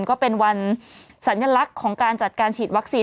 ก็เป็นวันสัญลักษณ์ของการจัดการฉีดวัคซีน